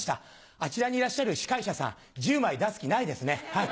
あちらにいらっしゃる司会者さん１０枚出す気ないですね。